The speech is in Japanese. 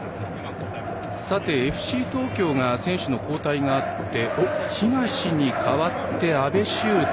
ＦＣ東京に選手交代があって東に代わって安部柊斗。